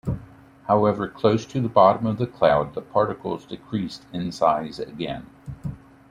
However, close to the bottom of the cloud, the particles decreased in size again.